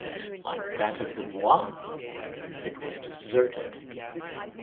Like that of the Bois, it was deserted.